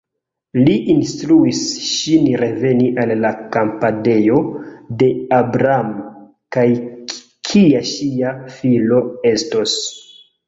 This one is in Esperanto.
Li instruis ŝin reveni al la kampadejo de Abram, kaj kia ŝia filo estos.